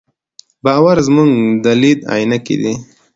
باور زموږ د لید عینکې دي.